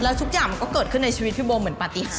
แล้วทุกอย่างมันก็เกิดขึ้นในชีวิตพี่โบเหมือนปฏิหาร